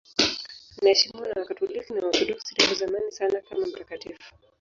Anaheshimiwa na Wakatoliki na Waorthodoksi tangu zamani sana kama mtakatifu.